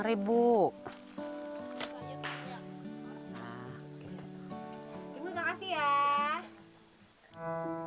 ibu makasih ya